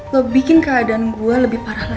lo bikin keadaan gue lebih parah lagi